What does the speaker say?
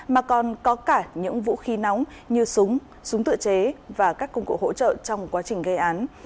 mà còn có cả những vũ khí nóng như súng súng tự chế và các công cụ hỗ trợ trong quá trình gây án